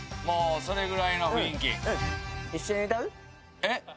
もうそれぐらいの雰囲気？